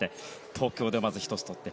東京でまず１つとって。